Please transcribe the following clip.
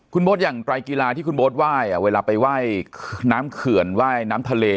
คุณโบ๊ทอย่างไตรกีฬาที่คุณโบ๊ทไหว้เวลาไปไหว้น้ำเขื่อนไหว้น้ำทะเล